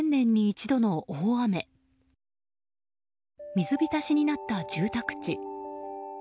水浸しになった住宅地。